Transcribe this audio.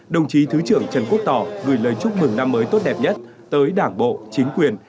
đồng chí thứ trưởng trần quốc tỏ gửi lời chúc mừng năm mới tốt đẹp nhất tới đảng bộ chính quyền